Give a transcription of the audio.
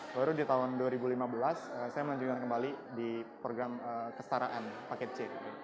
baru di tahun dua ribu lima belas saya melanjutkan kembali di program kestaraan paket c